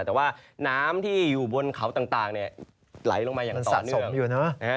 แต่ว่าน้ำที่อยู่บนเขาต่างไหลลงมาอย่างต่อเนื่อง